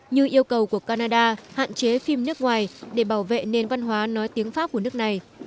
như yêu cầu của canada hạn chế phim nước ngoài để bảo vệ nền văn hóa nói tiếng pháp của nước này